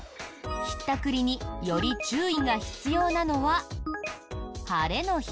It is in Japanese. ひったくりにより注意が必要なのは晴れの日？